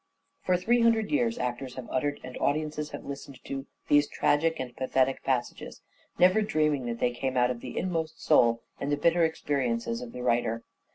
For three hundred years actors have uttered and A future audiences have listened to these tragic and pathetic passages, never dreaming that they came out of the inmost soul and the bitter experiences of the writer.